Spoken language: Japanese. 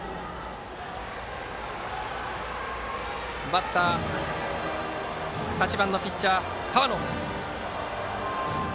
バッターは８番ピッチャー、河野。